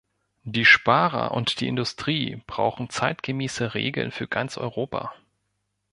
Die Sparer und die Industrie brauchen zeitgemäße Regeln für ganz Europa.